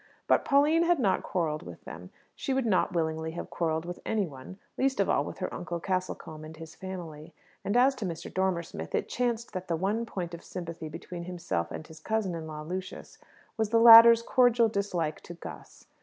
But Pauline had not quarrelled with them. She would not willingly have quarrelled with any one, least of all with her Uncle Castlecombe and his family. And as to Mr. Dormer Smith, it chanced that the one point of sympathy between himself and his cousin in law Lucius was the latter's cordial dislike to Gus.